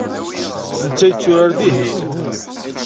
Netta yetturar dihin.